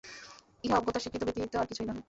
ইহা অজ্ঞতার স্বীকৃতি ব্যতীত আর কিছুই নহে।